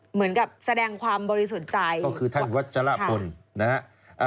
เหมือนกับแสดงความบริสุทธิ์ใจก็คือท่านวัชรพลนะฮะ